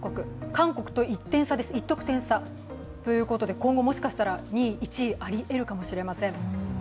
韓国と１得点差です、ということで今後、もしかしたら２位、１位、ありえるかもしれません。